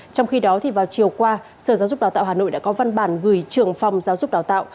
trong khi đó vào chiều qua sở giáo dục đào tạo hà nội đã có văn bản gửi trường phòng giáo dục đào tạo